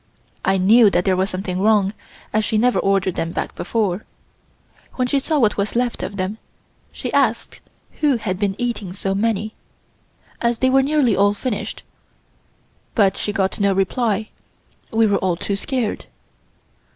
I knew that there was something wrong, as she never ordered them back before. When she saw what was left of them, she asked who had been eating so many, as they were nearly all finished, but she got no reply we were all too scared.